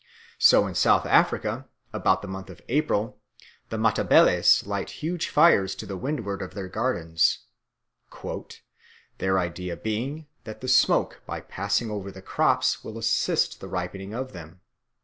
So in South Africa, about the month of April, the Matabeles light huge fires to the windward of their gardens, "their idea being that the smoke, by passing over the crops, will assist the ripening of them."